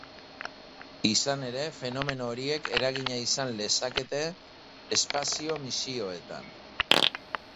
Izan ere, fenomeno horiek eragina izan lezakete espazio-misioetan.